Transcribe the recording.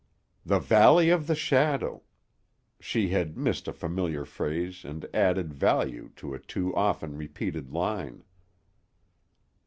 "The valley of the shadow " she had missed a familiar phrase and added value to a too often repeated line.